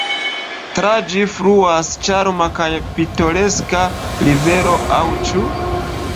Tra ĝi fluas ĉarma kaj pitoreska rivero – aŭ ĉu?